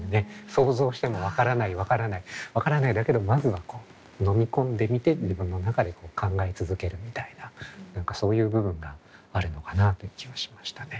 想像しても「分からない分からない分からない」だけどまずは飲み込んでみて自分の中で考え続けるみたいな何かそういう部分があるのかなという気もしましたね。